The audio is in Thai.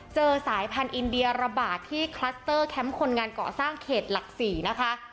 สายพันธุ์อินเดียระบาดที่คลัสเตอร์แคมป์คนงานเกาะสร้างเขตหลัก๔นะคะ